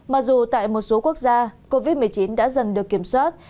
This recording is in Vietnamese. mặc dù tại một số quốc gia covid một mươi chín đã dần được kiểm soát